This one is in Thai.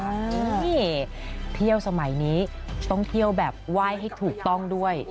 นี่เที่ยวสมัยนี้ต้องเที่ยวแบบไหว้ให้ถูกต้องด้วย